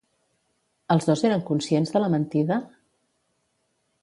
Els dos eren conscients de la mentida?